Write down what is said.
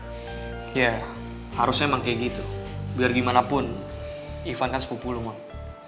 oh ya harusnya emang kayak gitu biar gimana pun ivan kan sepupu lu mau